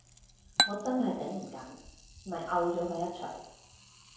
我真係頂唔緊，咪摳咗佢一鎚